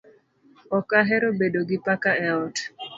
Ok ahero bedo gi paka e ot